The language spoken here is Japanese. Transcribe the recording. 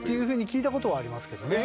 聞いたことはありますけどね。